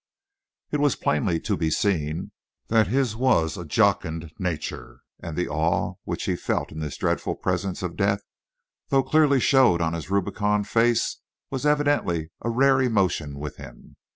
It was plainly to be seen that his was a jocund nature, and the awe which he felt in this dreadful presence of death, though clearly shown on his rubicund face, was evidently a rare emotion with him.